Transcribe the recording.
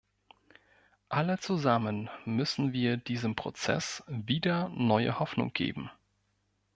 Alle zusammen müssen wir diesem Prozess wieder neue Hoffnung geben.